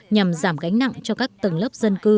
nhằm giảm gánh nặng cho các tầng lớp dân cư